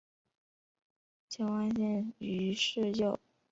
金万燮于是又与彼得等人重逢。